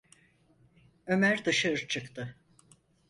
Ömer dışarı çıktı.